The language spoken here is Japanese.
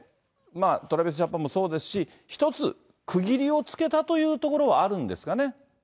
ＴｒａｖｉｓＪａｐａｎもそうですし、一つ区切りをつけたというところはあるんですかね。